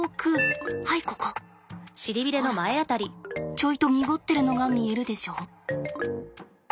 ちょいと濁ってるのが見えるでしょ？